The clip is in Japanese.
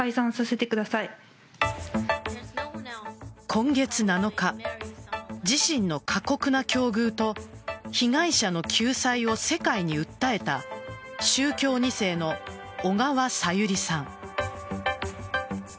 今月７日、自身の過酷な境遇と被害者の救済を世界に訴えた宗教２世の小川さゆりさん。